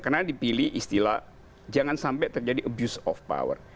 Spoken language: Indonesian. karena dipilih istilah jangan sampai terjadi abuse of power